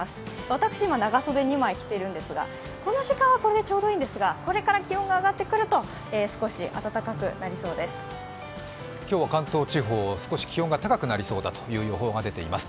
私、今、長袖２枚着ているんですが、この時間はこれでちょうどいいんですがこれから気温が上がってくると少し暖かくなりそうです。